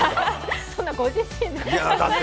そんな、ご自身で。